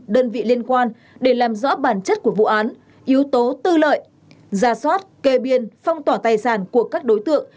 đơn vị liên quan để làm rõ bản chất của vụ án yếu tố tư lợi ra soát kê biên phong tỏa tài sản của các đối tượng